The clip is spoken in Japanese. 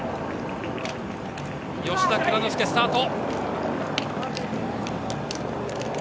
吉田蔵之介、スタート。